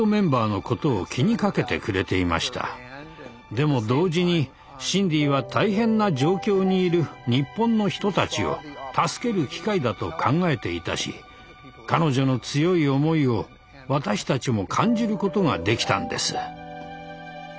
でも同時にシンディは大変な状況にいる日本の人たちを助ける機会だと考えていたし彼女の強い思いを私たちも感じることができたんです。